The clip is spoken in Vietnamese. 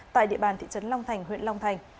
tại địa bàn thị trấn long thành huyện long thành